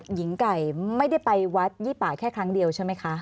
หญิงไก่ไม่ได้ไปวัดยี่ป่าแค่ครั้งเดียวใช่ไหมคะ